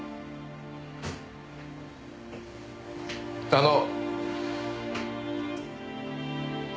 あの。